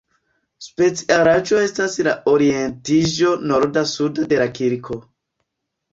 Specialaĵo estas la orientiĝo norda-suda de la kirko.